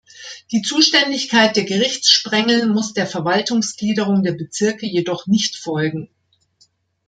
Die Zuständigkeit der Gerichtssprengel muss der Verwaltungsgliederung der Bezirke jedoch nicht folgen.